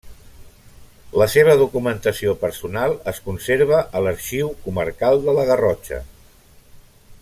La seva documentació personal es conserva a l'Arxiu Comarcal de la Garrotxa.